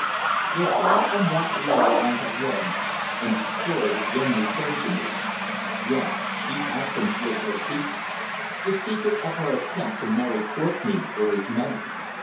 The thought of that letter I had read and destroyed again recurred to me. Yes, she had concealed her secret the secret of her attempt to marry Courtenay for his money.